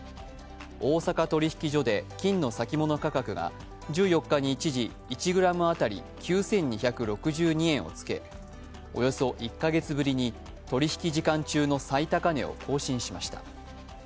大阪取引所で金の先物価格が１４日に一時、１ｇ当たり９２６２円をつけおよそ１か月ぶりに取引時間中の最高値を更新しました。